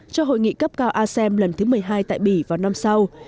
cho hội nghị cấp cao asem lần thứ một mươi hai tại bỉ vào năm sau